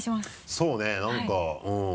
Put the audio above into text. そうねなんかうん。